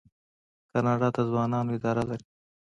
کاناډا د ځوانانو اداره لري.